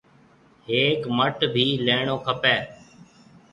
ھيَََڪ مَٽ ڀِي ليڻو کپيَ۔